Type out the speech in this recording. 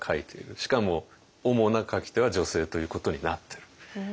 しかもおもな書き手は女性ということになってる。